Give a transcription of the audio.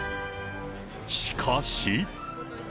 しかし。